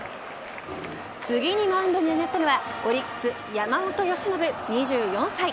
次にマウンドに上がったのはオリックス山本由伸２４歳。